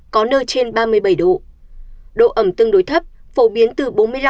có nơi trên ba mươi bảy độ độ ẩm tương đối thấp phổ biến từ bốn mươi năm